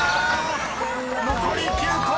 ［残り９個。